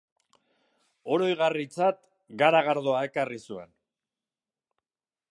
Oroigarritzat garagardoa ekarri zuen.